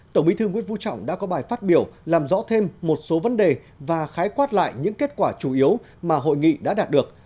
tổng bí thư nguyễn phú trọng đã có bài phát biểu làm rõ thêm một số vấn đề và khái quát lại những kết quả chủ yếu mà hội nghị đã đạt được